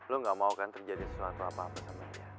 lo gak mau kan terjadi sesuatu apa apa sama dia